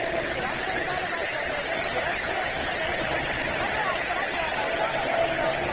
まずはそらジローのきょうのポイント。